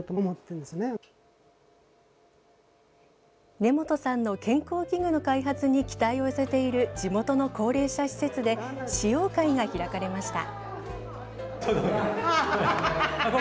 根本さんの健康器具の開発に期待を寄せている地元の高齢者施設で試用会が開かれました。